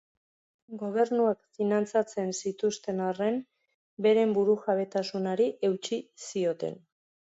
Gobernuak finantzatzen zituzten arren, beren burujabetasunari eutsi zioten.